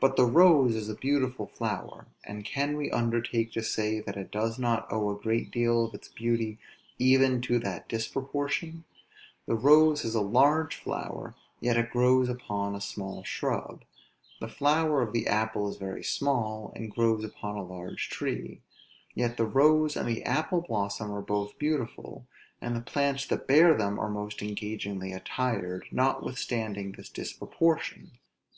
but the rose is a beautiful flower; and can we undertake to say that it does not owe a great deal of its beauty even to that disproportion; the rose is a large flower, yet it grows upon a small shrub; the flower of the apple is very small, and grows upon a large tree; yet the rose and the apple blossom are both beautiful, and the plants that bear them are most engagingly attired, notwithstanding this disproportion.